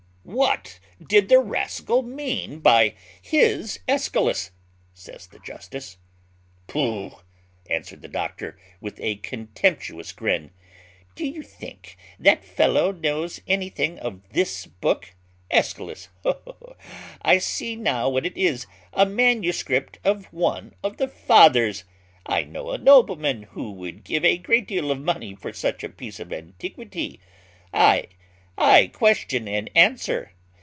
"What did the rascal mean by his Aeschylus?" says the justice. "Pooh!" answered the doctor, with a contemptuous grin, "do you think that fellow knows anything of this book? Aeschylus! ho! ho! I see now what it is a manuscript of one of the fathers. I know a nobleman who would give a great deal of money for such a piece of antiquity. Ay, ay, question and answer.